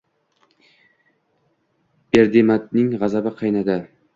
Berdimamatning g’azabi qaynadi.